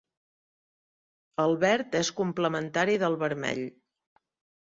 El verd és complementari del vermell.